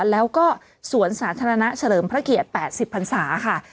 แล้วก็สวนสาธารณะเฉลิมพระเกียรติ๘๐พันศาค่ะ